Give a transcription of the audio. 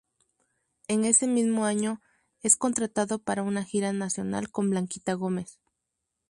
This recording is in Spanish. En ese mismo año es contratado para una gira nacional con Blanquita Gómez.